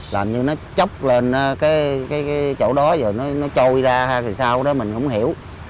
làm như nó chóc lên cái chỗ đó rồi nó trôi ra thì sao đó mình không hiểu